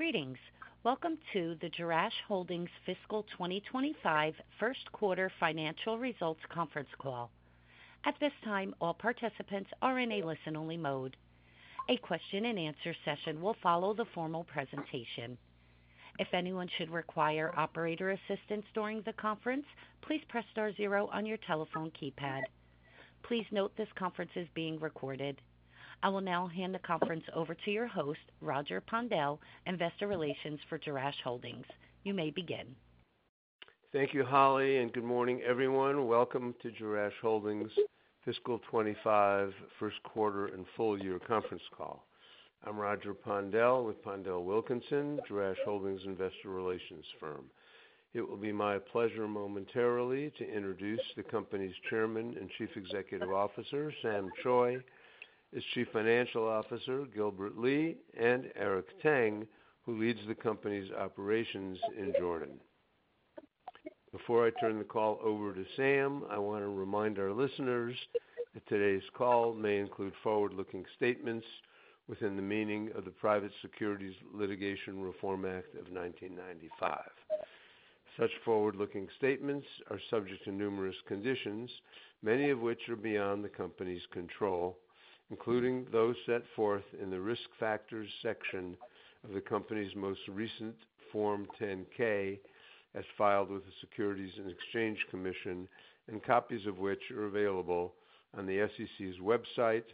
Greetings. Welcome to the Jerash Holdings Fiscal 2025 first quarter financial results conference call. At this time, all participants are in a listen-only mode. A question and answer session will follow the formal presentation. If anyone should require operator assistance during the conference, please press star zero on your telephone keypad. Please note this conference is being recorded. I will now hand the conference over to your host, Roger Pondel, Investor Relations for Jerash Holdings. You may begin. Thank you, Holly, and good morning, everyone. Welcome to Jerash Holdings Fiscal '25 first quarter and full year conference call. I'm Roger Pondel with PondelWilkinson, Jerash Holdings investor relations firm. It will be my pleasure momentarily to introduce the company's chairman and Chief Executive Officer, Sam Choi; his Chief Financial Officer, Gilbert Lee; and Eric Tang, who leads the company's operations in Jordan. Before I turn the call over to Sam, I want to remind our listeners that today's call may include forward-looking statements within the meaning of the Private Securities Litigation Reform Act of 1995. Such forward-looking statements are subject to numerous conditions, many of which are beyond the company's control, including those set forth in the Risk Factors section of the company's most recent Form 10-K, as filed with the Securities and Exchange Commission, and copies of which are available on the SEC's website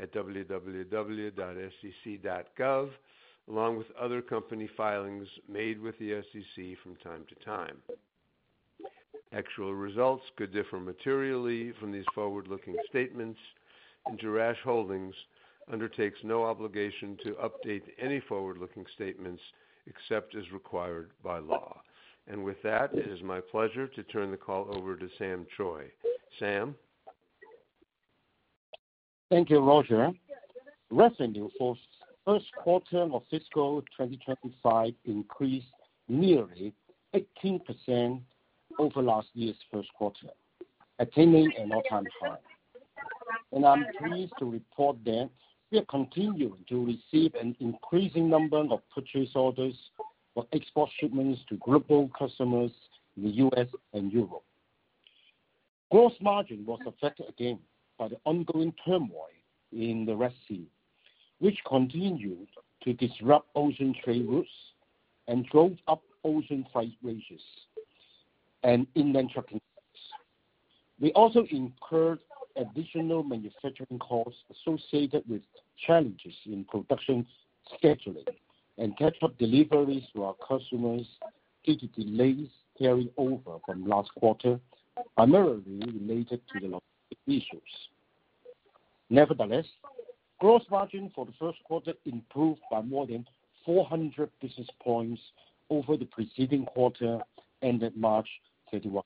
at www.sec.gov, along with other company filings made with the SEC from time to time. Actual results could differ materially from these forward-looking statements, and Jerash Holdings undertakes no obligation to update any forward-looking statements, except as required by law. And with that, it is my pleasure to turn the call over to Sam Choi. Sam? Thank you, Roger. Revenue for first quarter of fiscal 2025 increased nearly 18% over last year's first quarter, attaining an all-time high. I'm pleased to report that we are continuing to receive an increasing number of purchase orders for export shipments to global customers in the U.S. and Europe. Gross margin was affected again by the ongoing turmoil in the Red Sea, which continued to disrupt ocean trade routes and drove up ocean freight rates and inland trucking. We also incurred additional manufacturing costs associated with challenges in production scheduling and catch-up deliveries to our customers, due to delays carrying over from last quarter, primarily related to the logistic issues. Nevertheless, gross margin for the first quarter improved by more than 400 basis points over the preceding quarter, ended March 31.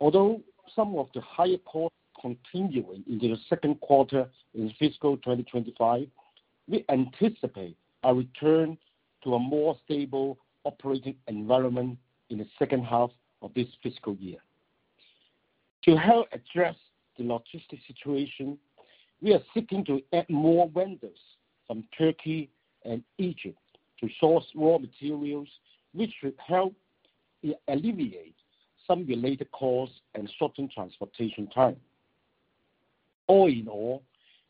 Although some of the higher costs continuing into the second quarter in fiscal 2025, we anticipate a return to a more stable operating environment in the second half of this fiscal year. To help address the logistics situation, we are seeking to add more vendors from Turkey and Egypt to source raw materials, which should help eliminate some related costs and shorten transportation time. All in all,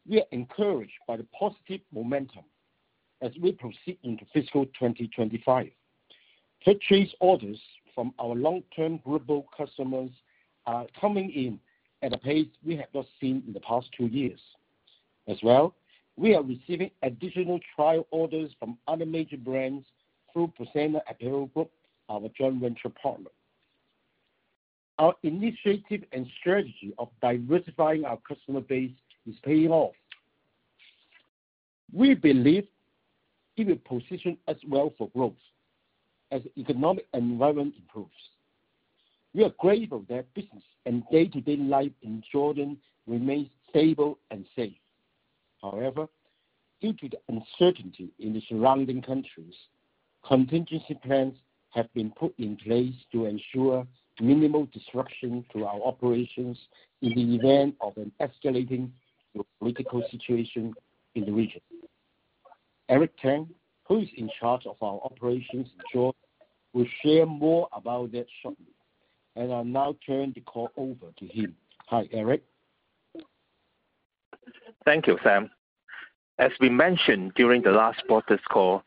we are encouraged by the positive momentum as we proceed into fiscal 2025. Purchase orders from our long-term global customers are coming in at a pace we have not seen in the past 2 years. As well, we are receiving additional trial orders from other major brands through Busana Apparel Group, our joint venture partner. Our initiative and strategy of diversifying our customer base is paying off. We believe it will position us well for growth as the economic environment improves. We are grateful that business and day-to-day life in Jordan remains stable and safe. However, due to the uncertainty in the surrounding countries, contingency plans have been put in place to ensure minimal disruption to our operations in the event of an escalating political situation in the region. Eric Tang, who is in charge of our operations in Jordan, will share more about that shortly, and I'll now turn the call over to him. Hi, Eric. Thank you, Sam. As we mentioned during the last quarter's call,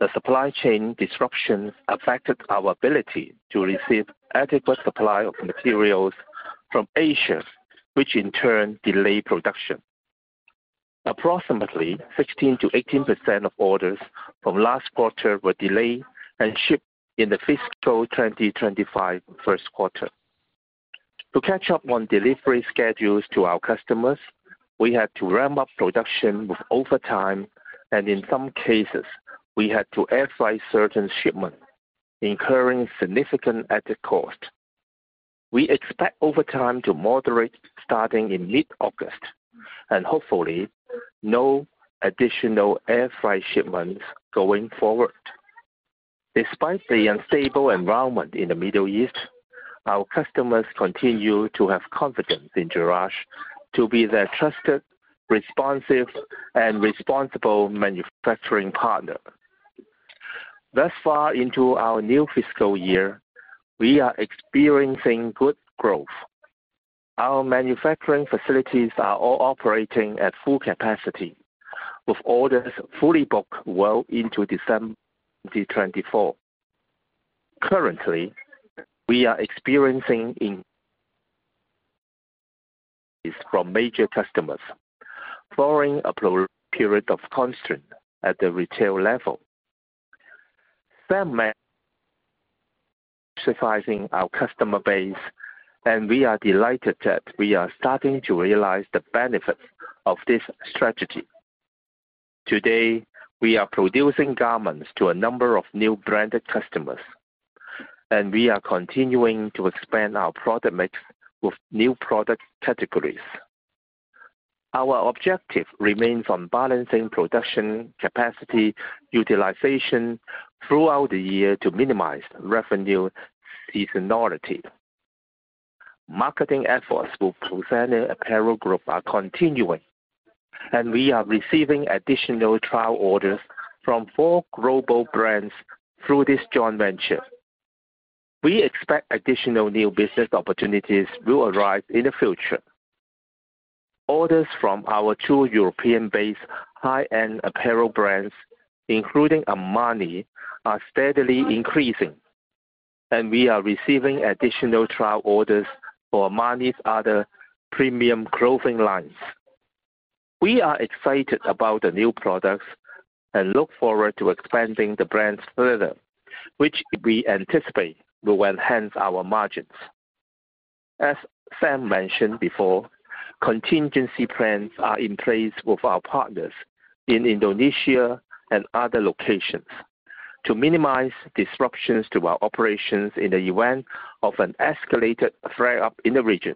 the supply chain disruptions affected our ability to receive adequate supply of materials from Asia, which in turn delayed production. Approximately 16%-18% of orders from last quarter were delayed and shipped in the fiscal 2025 first quarter. To catch up on delivery schedules to our customers, we had to ramp up production with overtime, and in some cases, we had to air freight certain shipments, incurring significant added cost. We expect overtime to moderate, starting in mid-August, and hopefully no additional air freight shipments going forward.... Despite the unstable environment in the Middle East, our customers continue to have confidence in Jerash to be their trusted, responsive, and responsible manufacturing partner. Thus far into our new fiscal year, we are experiencing good growth. Our manufacturing facilities are all operating at full capacity, with orders fully booked well into December 2024. Currently, we are experiencing inflows from major customers following a period of constraint at the retail level. Expanding our customer base, and we are delighted that we are starting to realize the benefits of this strategy. Today, we are producing garments to a number of new branded customers, and we are continuing to expand our product mix with new product categories. Our objective remains on balancing production capacity utilization throughout the year to minimize revenue seasonality. Marketing efforts with Busana Apparel Group are continuing, and we are receiving additional trial orders from four global brands through this joint venture. We expect additional new business opportunities will arise in the future. Orders from our two European-based high-end apparel brands, including Armani, are steadily increasing, and we are receiving additional trial orders for Armani's other premium clothing lines. We are excited about the new products and look forward to expanding the brands further, which we anticipate will enhance our margins. As Sam mentioned before, contingency plans are in place with our partners in Indonesia and other locations to minimize disruptions to our operations in the event of an escalated flare-up in the region.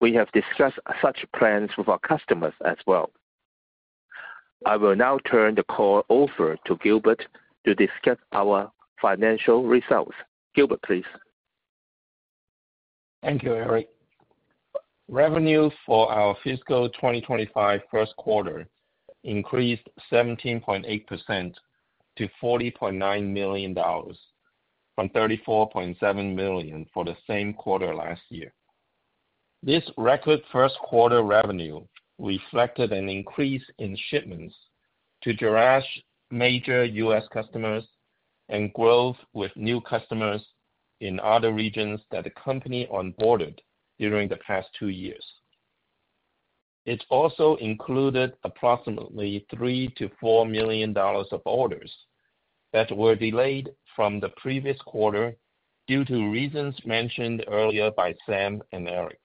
We have discussed such plans with our customers as well. I will now turn the call over to Gilbert to discuss our financial results. Gilbert, please. Thank you, Eric. Revenue for our fiscal 2025 first quarter increased 17.8% to $40.9 million from $34.7 million for the same quarter last year. This record first quarter revenue reflected an increase in shipments to Jerash's major U.S. customers and growth with new customers in other regions that the company onboarded during the past 2 years. It also included approximately $3 million-$4 million of orders that were delayed from the previous quarter due to reasons mentioned earlier by Sam and Eric.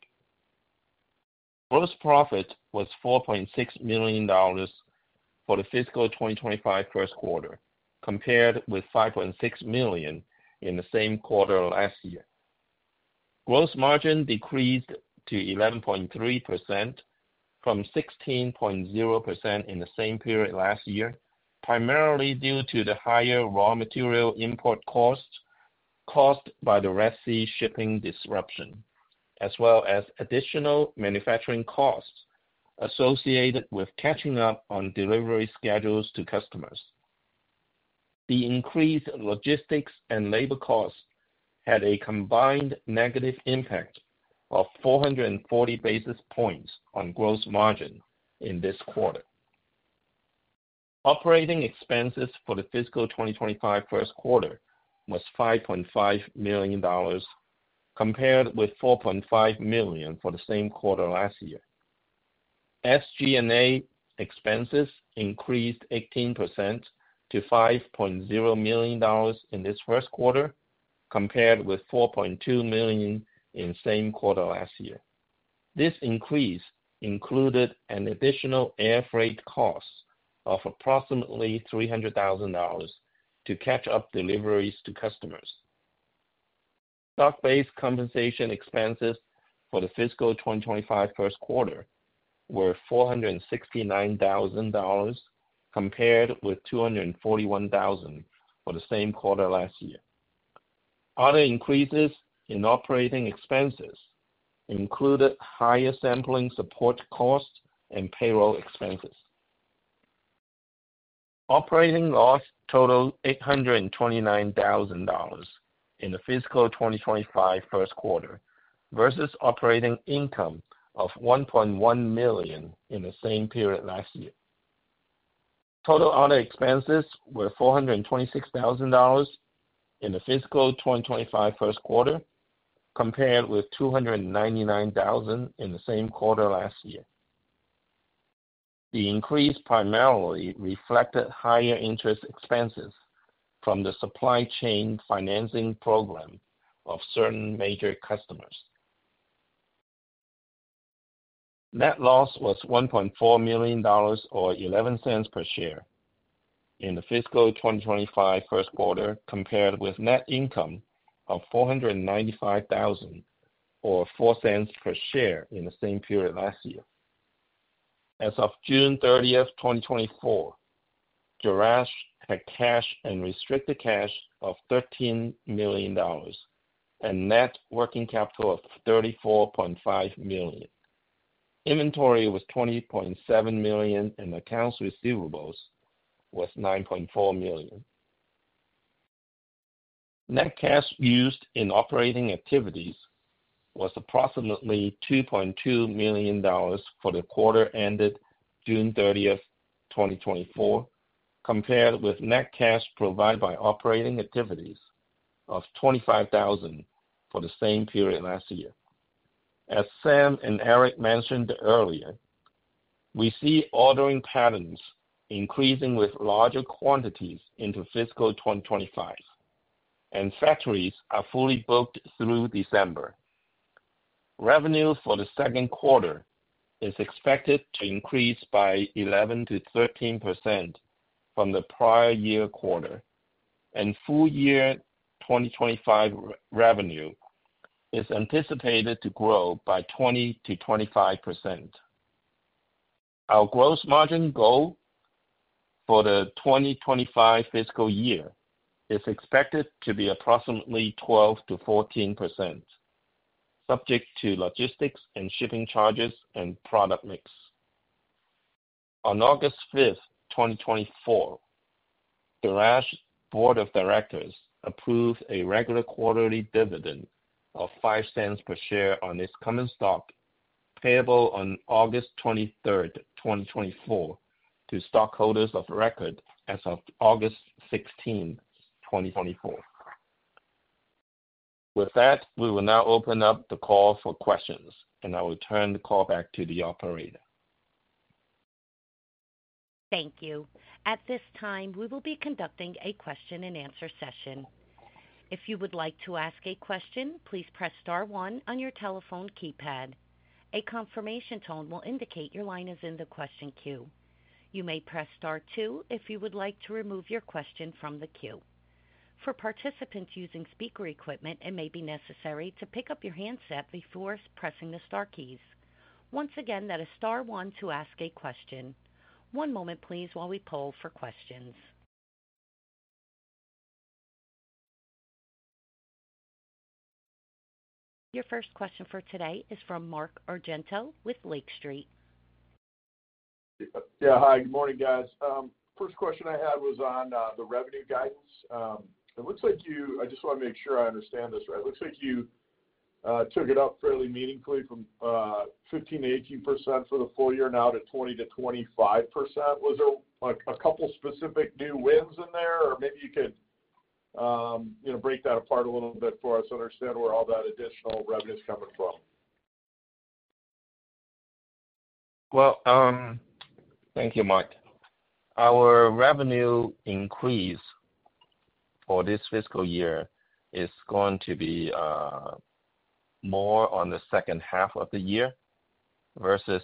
Gross profit was $4.6 million for the fiscal 2025 first quarter, compared with $5.6 million in the same quarter last year. Gross margin decreased to 11.3% from 16.0% in the same period last year, primarily due to the higher raw material import costs caused by the Red Sea shipping disruption, as well as additional manufacturing costs associated with catching up on delivery schedules to customers. The increased logistics and labor costs had a combined negative impact of 440 basis points on gross margin in this quarter. Operating expenses for the fiscal 2025 first quarter was $5.5 million, compared with $4.5 million for the same quarter last year. SG&A expenses increased 18% to $5.0 million in this first quarter, compared with $4.2 million in same quarter last year. This increase included an additional air freight cost of approximately $300,000 to catch up deliveries to customers. Stock-based compensation expenses for the fiscal 2025 first quarter were $469 thousand, compared with $241 thousand for the same quarter last year. Other increases in operating expenses included higher sampling support costs and payroll expenses. Operating loss totaled $829 thousand in the fiscal 2025 first quarter versus operating income of $1.1 million in the same period last year. Total other expenses were $426 thousand in the fiscal 2025 first quarter, compared with $299 thousand in the same quarter last year. The increase primarily reflected higher interest expenses from the supply chain financing program of certain major customers. Net loss was $1.4 million or $0.11 per share in the fiscal 2025 first quarter, compared with net income of $495,000 or $0.04 per share in the same period last year. As of June 30, 2024, Jerash had cash and restricted cash of $13 million and net working capital of $34.5 million. Inventory was $20.7 million, and accounts receivables was $9.4 million. Net cash used in operating activities was approximately $2.2 million for the quarter ended June 30, 2024, compared with net cash provided by operating activities of $25,000 for the same period last year. As Sam and Eric mentioned earlier, we see ordering patterns increasing with larger quantities into fiscal 2025, and factories are fully booked through December. Revenue for the second quarter is expected to increase by 11%-13% from the prior year quarter, and full year 2025 revenue is anticipated to grow by 20%-25%. Our gross margin goal for the 2025 fiscal year is expected to be approximately 12%-14%, subject to logistics and shipping charges and product mix. On August 5, 2024, Jerash's board of directors approved a regular quarterly dividend of $0.05 per share on its common stock, payable on August 23, 2024, to stockholders of record as of August 16, 2024. With that, we will now open up the call for questions, and I will turn the call back to the operator. Thank you. At this time, we will be conducting a question-and-answer session. If you would like to ask a question, please press star one on your telephone keypad. A confirmation tone will indicate your line is in the question queue. You may press star two if you would like to remove your question from the queue. For participants using speaker equipment, it may be necessary to pick up your handset before pressing the star keys. Once again, that is star one to ask a question. One moment please, while we poll for questions. Your first question for today is from Mark Argento with Lake Street. Yeah. Hi, good morning, guys. First question I had was on the revenue guidance. It looks like you... I just want to make sure I understand this right. It looks like you took it up fairly meaningfully from 15%-18% for the full year, now to 20%-25%. Was there, like, a couple of specific new wins in there? Or maybe you could, you know, break that apart a little bit for us, so understand where all that additional revenue is coming from. Well, thank you, Mark. Our revenue increase for this fiscal year is going to be more on the second half of the year versus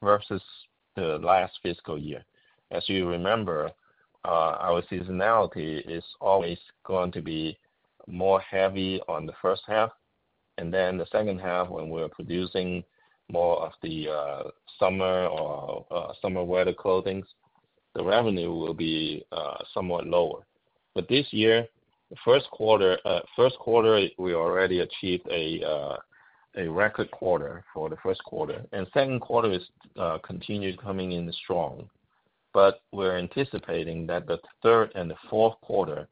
versus the last fiscal year. As you remember, our seasonality is always going to be more heavy on the first half, and then the second half, when we're producing more of the summer or summer weather clothings, the revenue will be somewhat lower. But this year, the first quarter, first quarter, we already achieved a a record quarter for the first quarter, and second quarter is continued coming in strong. We're anticipating that the third and the fourth quarter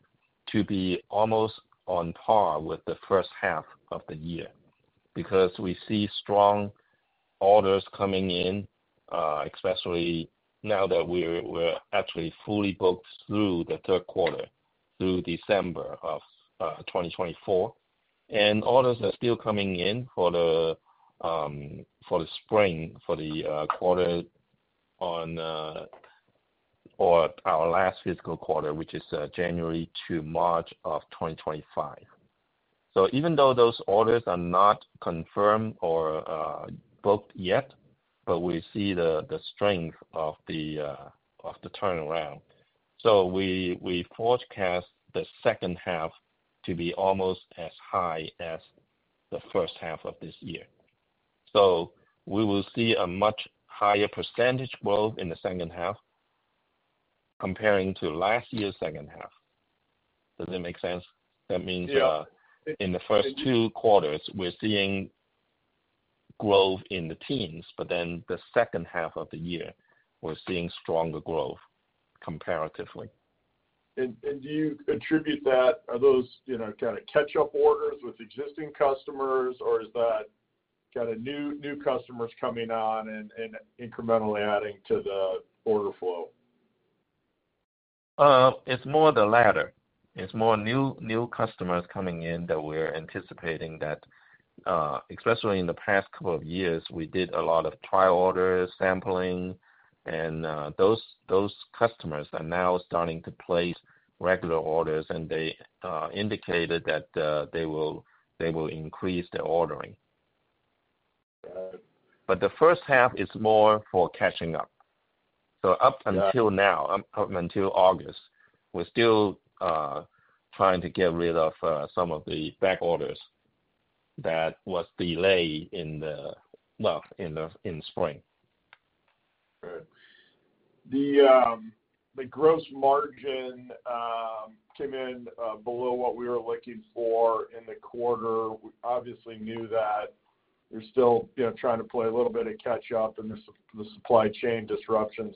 to be almost on par with the first half of the year, because we see strong orders coming in, especially now that we're actually fully booked through the third quarter, through December of 2024. Orders are still coming in for the spring, for the quarter one, or our last fiscal quarter, which is January to March of 2025. Even though those orders are not confirmed or booked yet, but we see the strength of the turnaround. We forecast the second half to be almost as high as the first half of this year. We will see a much higher percentage growth in the second half, comparing to last year's second half. Does that make sense? Yeah. That means, in the first two quarters, we're seeing growth in the teens, but then the second half of the year, we're seeing stronger growth comparatively. Do you attribute that - are those, you know, kinda catch-up orders with existing customers, or is that kinda new customers coming on and incrementally adding to the order flow? It's more the latter. It's more new customers coming in that we're anticipating, especially in the past couple of years, we did a lot of trial orders, sampling, and those customers are now starting to place regular orders, and they indicated that they will increase their ordering. Got it. But the first half is more for catching up. So up until now, up until August, we're still trying to get rid of some of the back orders that was delayed, well, in the spring. Right. The gross margin came in below what we were looking for in the quarter. We obviously knew that. You're still, you know, trying to play a little bit of catch up, and the supply chain disruptions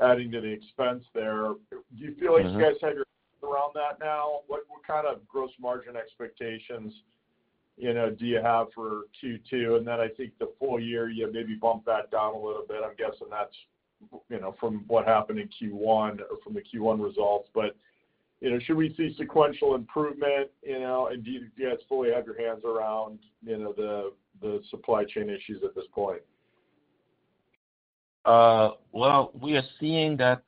adding to the expense there. Do you feel like. You guys have your head around that now? What, what kind of gross margin expectations, you know, do you have for Q2? And then I think the full year, you maybe bumped that down a little bit. I'm guessing that's, you know, from what happened in Q1 or from the Q1 results. But, you know, should we see sequential improvement, you know, and do you guys fully have your hands around, you know, the, the supply chain issues at this point? Well, we are seeing that.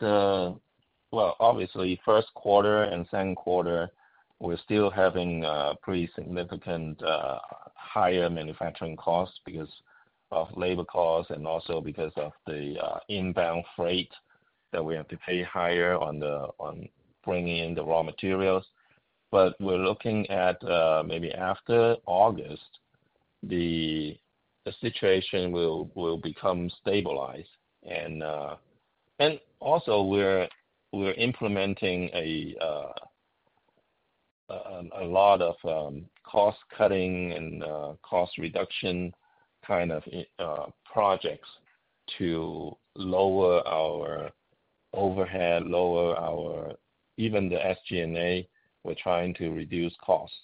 Well, obviously, first quarter and second quarter, we're still having pretty significant higher manufacturing costs because of labor costs and also because of the inbound freight that we have to pay higher on the bringing in the raw materials. But we're looking at maybe after August, the situation will become stabilized. And also we're implementing a lot of cost cutting and cost reduction kind of projects to lower our overhead, lower our SG&A. We're trying to reduce costs.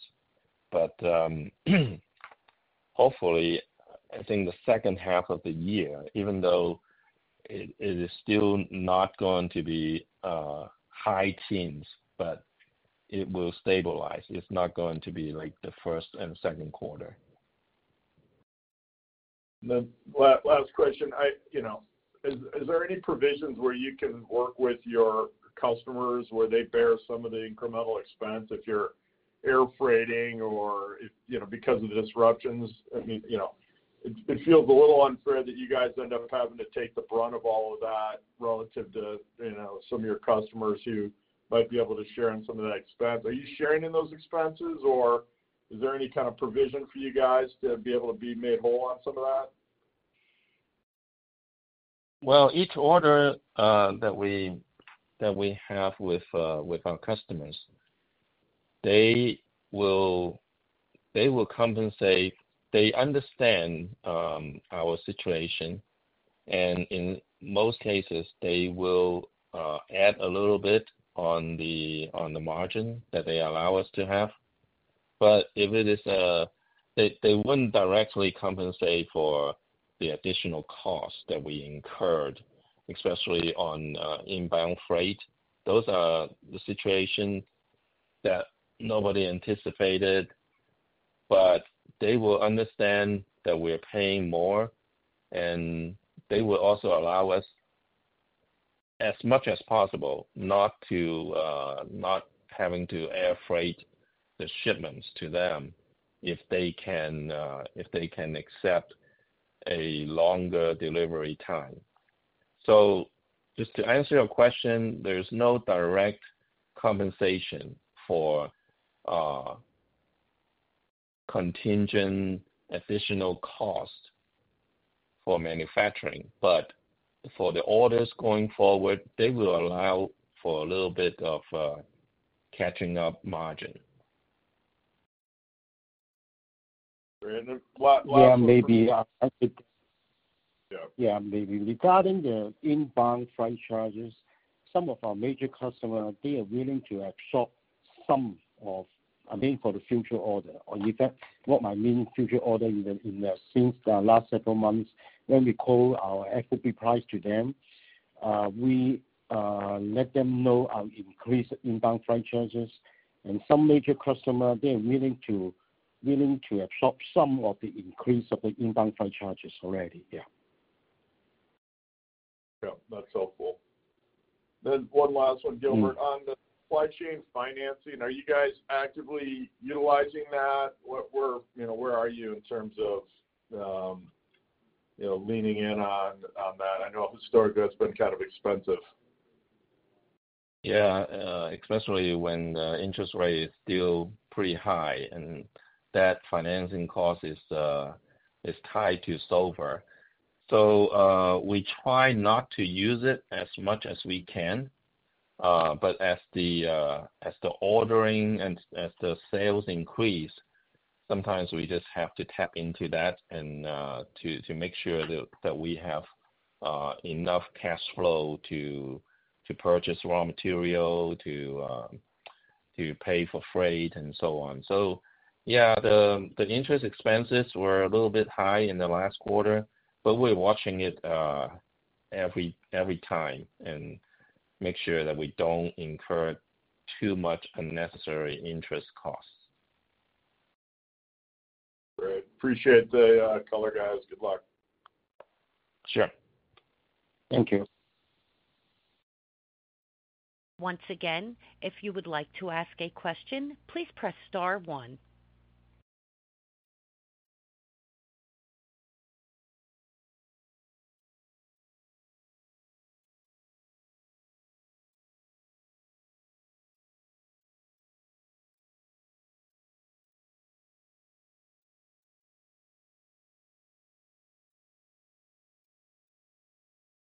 But hopefully, I think the second half of the year, even though it is still not going to be high teens, but it will stabilize. It's not going to be like the first and second quarter. The last question. I, you know, is there any provisions where you can work with your customers, where they bear some of the incremental expense if you're air freighting or if, you know, because of the disruptions? I mean, you know, it feels a little unfair that you guys end up having to take the brunt of all of that relative to, you know, some of your customers who might be able to share in some of that expense. Are you sharing in those expenses, or is there any kind of provision for you guys to be able to be made whole on some of that? Well, each order that we have with our customers, they will compensate. They understand our situation, and in most cases, they will add a little bit on the margin that they allow us to have. But they wouldn't directly compensate for the additional cost that we incurred, especially on inbound freight. Those are the situation that nobody anticipated, but they will understand that we're paying more, and they will also allow us, as much as possible, not having to air freight the shipments to them if they can accept a longer delivery time. So just to answer your question, there's no direct compensation for contingent additional cost for manufacturing. But for the orders going forward, they will allow for a little bit of catching up margin. Great, and last- Yeah, maybe, I think- Yeah. Yeah, maybe. Regarding the inbound freight charges, some of our major customers, they are willing to absorb some of, I mean, for the future order, or in fact, what I mean future order, even since the last several months, when we quote our FOB price to them, we let them know our increased inbound freight charges. And some major customers, they are willing to, willing to absorb some of the increase of the inbound freight charges already. Yeah. Yeah, that's helpful. Then one last one, Gilbert. On the supply chain financing, are you guys actively utilizing that? What, where, you know, where are you in terms of, you know, leaning in on, on that? I know historically, that's been kind of expensive. Yeah, especially when the interest rate is still pretty high, and that financing cost is tied to SOFR. So, we try not to use it as much as we can, but as the ordering and as the sales increase, sometimes we just have to tap into that and to make sure that we have enough cash flow to purchase raw material, to pay for freight, and so on. So, yeah, the interest expenses were a little bit high in the last quarter, but we're watching it every time and make sure that we don't incur too much unnecessary interest costs. Great. Appreciate the, color, guys. Good luck. Sure. Thank you. Once again, if you would like to ask a question, please press star one.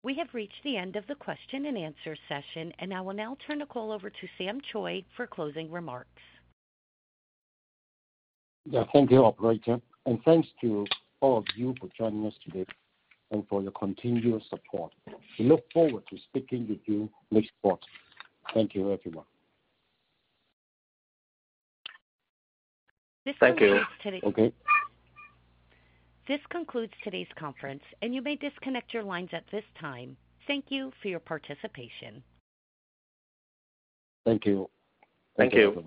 We have reached the end of the question and answer session, and I will now turn the call over to Sam Choi for closing remarks. Yeah. Thank you, operator, and thanks to all of you for joining us today and for your continuous support. We look forward to speaking with you this quarter. Thank you, everyone. This concludes today- Thank you. Okay. This concludes today's conference, and you may disconnect your lines at this time. Thank you for your participation. Thank you. Thank you.